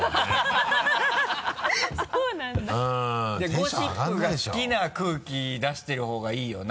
ゴシップが好きな空気出してる方がいいよな？